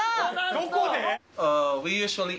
どこで？